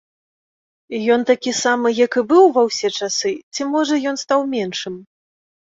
Ён такі самы, як і быў ва ўсе часы, ці, можа, ён стаў меншым?